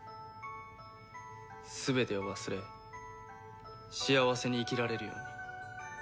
全てを忘れ幸せに生きられるように。